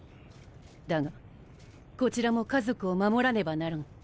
だがこちらも家族を守らねばならん。